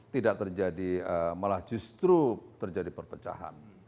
tidak terjadi malah justru terjadi perpecahan